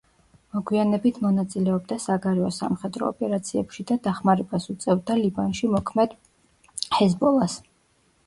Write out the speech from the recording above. მოგვიანებით მონაწილეობდა საგარეო სამხედრო ოპერაციებში და დახმარებას უწევდა ლიბანში მოქმედ ჰეზბოლას.